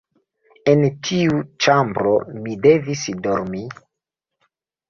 En tiu ĉambro mi devis dormi.